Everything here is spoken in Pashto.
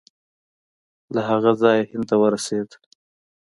له هغه ځایه هند ته ورسېد.